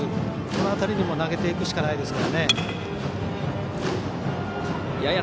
この辺りに投げていくしかないです。